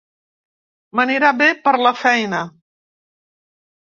M'anirà bé per la feina.